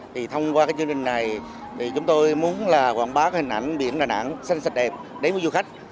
thì thông qua cái chương trình này thì chúng tôi muốn là quảng bá hình ảnh biển đà nẵng xanh sạch đẹp đến với du khách